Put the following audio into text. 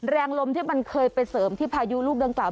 แรงลมที่มันเคยไปเสริมที่พายุลูกดังกล่า